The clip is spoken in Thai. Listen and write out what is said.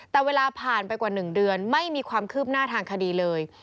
แต่เวลาผ่านไปกว่า๑เดือนไม่มีความคืบหน้าทางคดีเลย